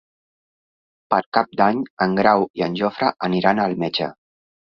Per Cap d'Any en Grau i en Jofre aniran al metge.